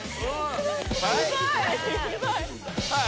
はい！